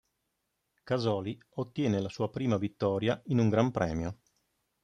Casoli ottiene la sua prima vittoria in un Gran Premio.